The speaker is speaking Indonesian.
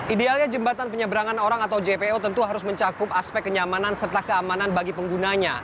idealnya jembatan penyeberangan orang atau jpo tentu harus mencakup aspek kenyamanan serta keamanan bagi penggunanya